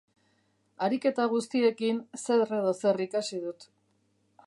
Ariketa guztiekin zer edo zer ikasi dut.